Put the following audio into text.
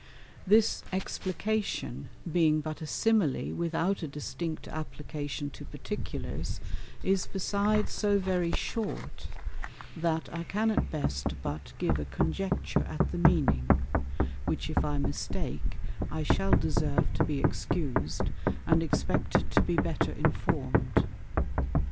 _ This Explication, being but a Simile without a distinct application to Particulars, is beside so very short, that I can at best but give a conjecture at the meaning; which if I mistake, I shall deserve to be excused, and expect to be better inform'd.